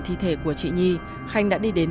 thi thể của chị nhi khanh đã đi đến